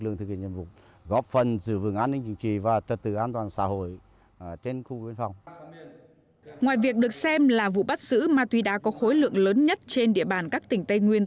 ngoài việc được xem là vụ bắt giữ ma túy đá có khối lượng lớn nhất trên địa bàn các tỉnh tây nguyên